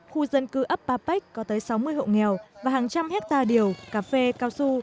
khu dân cư ấp ba bách có tới sáu mươi hộ nghèo và hàng trăm hectare điều cà phê cao su